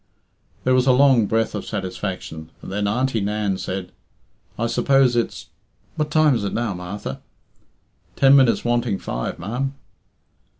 There was a long breath of satisfaction, and then Auntie Nan said "I suppose it's what time is it now, Martha?" "Ten minutes wanting five, ma'am."